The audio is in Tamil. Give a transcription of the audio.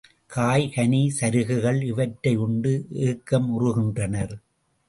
காய், கனி, சருகுகள் இவற்றை யுண்டு ஏக்க முறுகின்றனர்.